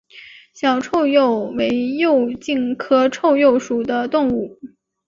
小臭鼩为鼩鼱科臭鼩属的动物。